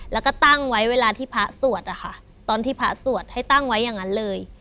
แล้วก็ตั้งไว้เวลาที่พระสวดอะค่ะตอนที่พระสวดให้ตั้งไว้อย่างนั้นเลย